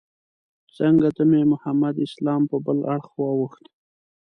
څنګ ته مې محمد اسلام په بل اړخ واوښت.